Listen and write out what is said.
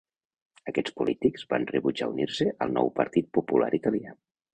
Aquests polítics van rebutjar unir-se al nou Partit Popular Italià.